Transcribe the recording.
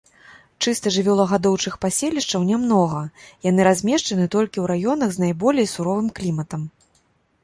Чыста жывёлагадоўчых паселішчаў нямнога, яны размешчаны толькі ў раёнах з найболей суровым кліматам.